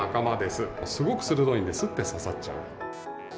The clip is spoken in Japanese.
すごく鋭いんです、すって刺さっちゃう。